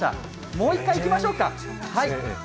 もう一回いきましょうか。